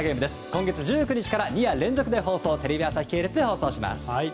今月１９日から２夜連続テレビ朝日系列で放送します。